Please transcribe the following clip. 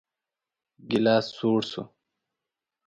ګيلاس سوړ شو.